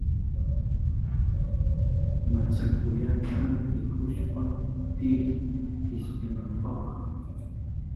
Machakuyata rikushpa kutirin kishpinanpa.